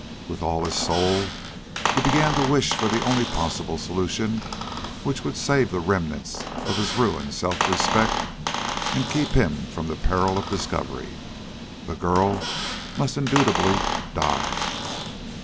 With all his soul he began to wish for the only possible solution which would save the remnants of his ruined self respect and keep him from the peril of discovery. The girl must indubitably die!